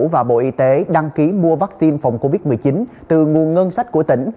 và bộ y tế đăng ký mua vaccine phòng covid một mươi chín từ nguồn ngân sách của tỉnh